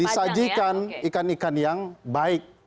disajikan ikan ikan yang baik